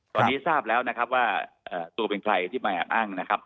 ตอนนี้ทราบแล้วนะครับว่าตัวเป็นใครที่มาแอบอ้างนะครับ